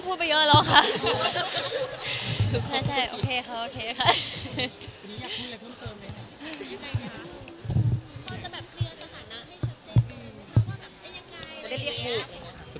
พี่จะเรียกหนู